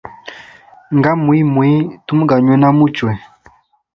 Nga mwiimwii, tumu ganywina a muchwe.